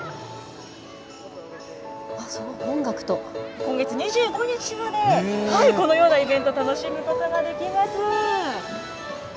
今月２５日まで、このようなイベント、楽しむことができます。